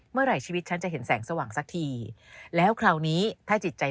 เมื่อไหร่ชีวิตฉันจะเห็นแสงสว่างสักทีแล้วคราวนี้ถ้าจิตใจ